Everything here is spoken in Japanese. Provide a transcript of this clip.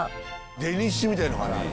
デニッシュみたいな感じ。